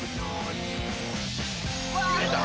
出た。